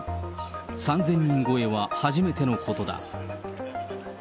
３０００人超えは初めてのことだ。